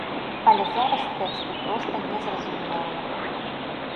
Але зараз тэксты проста незразумелыя.